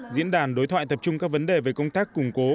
diễn đàn đối thoại tập trung các vấn đề về công tác củng cố